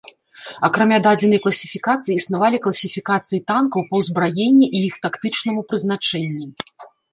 Акрамя дадзенай класіфікацыі існавалі класіфікацыі танкаў па ўзбраенні і іх тактычнаму прызначэнні.